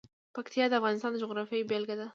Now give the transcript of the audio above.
پکتیا د افغانستان د جغرافیې بېلګه ده.